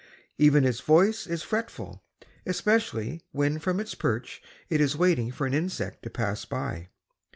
Even its voice is fretful, especially when from its perch it is waiting for an insect to pass by.